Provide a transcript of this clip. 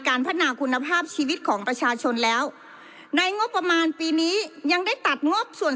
พัฒนาคุณภาพชีวิตของประชาชนแล้วในงบประมาณปีนี้ยังได้ตัดงบส่วน